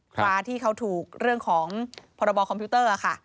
ฟ้าที่เขาถูกเรื่องของพรบคอมพิวเตอร์ค่ะ